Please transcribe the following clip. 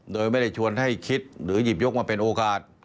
โดยไม่ได้ชวนให้คิดหรือหยิบยกมาเป็นโอกาส